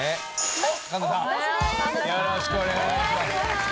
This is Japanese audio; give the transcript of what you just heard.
はい。